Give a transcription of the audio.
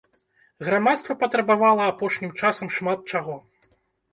Грамадства патрабавала апошнім часам шмат чаго.